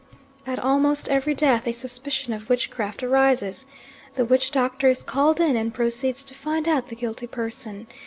At almost every death a suspicion of witchcraft arises. The witch doctor is called in, and proceeds to find out the guilty person.